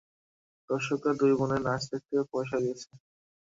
দর্শকরা দুই বোনের নাচ দেখতে পয়সা দিয়েছে।